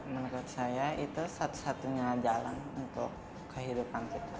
menurut saya itu satu satunya jalan untuk kehidupan kita